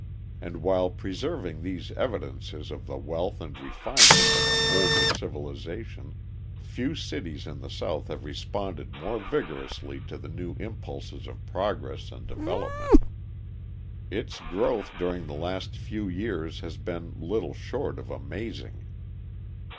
And while preserving these evidences of the wealth and refinement of an older civilisation, few cities in the South have responded more vigorously to the new impulses of progress and development. Its growth during the last few years has been little short of amazing.